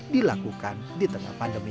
dilakukan di tengah pandemi